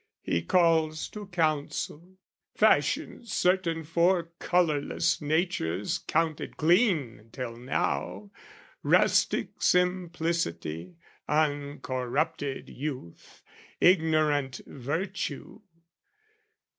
He calls to counsel, fashions certain four Colourless natures counted clean till now, Rustic simplicity, uncorrupted youth, Ignorant virtue!